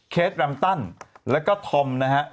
เคสแรมตันและก็ธอมนะครับ